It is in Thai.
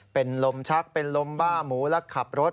เป็นลมชักเป็นลมบ้าหมูและขับรถ